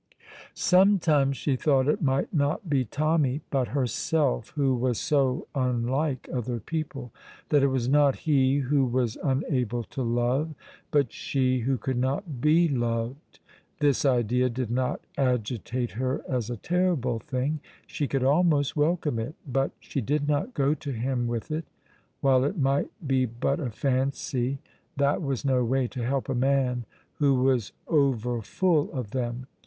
Sometimes she thought it might not be Tommy, but herself, who was so unlike other people; that it was not he who was unable to love, but she who could not be loved. This idea did not agitate her as a terrible thing; she could almost welcome it. But she did not go to him with it. While it might be but a fancy, that was no way to help a man who was overfull of them.